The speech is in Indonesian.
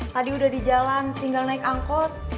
tadi udah di jalan tinggal naik angkot